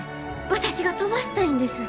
私が飛ばしたいんです。